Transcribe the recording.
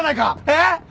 えっ？